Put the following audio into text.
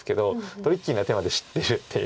トリッキーな手まで知ってるっていう。